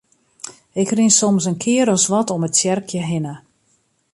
Ik rin soms in kear as wat om it tsjerkje hinne.